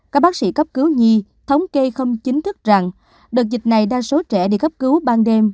các bác sĩ cấp cứu nhi thống kê không chính thức rằng đợt dịch này đa số trẻ đi cấp cứu ban đêm